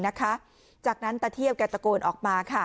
พ่ออีกครั้งหนึ่งนะคะจากนั้นตะเทียบแก่ตะโกนออกมาค่ะ